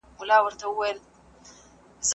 ټکنالوژي معلومات تحليل آسانه کوي.